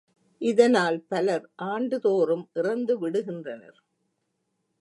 இதனால் பலர் ஆண்டுதோறும் இறந்துவிடுகின்றனர்.